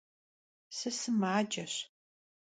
Sısımaceş.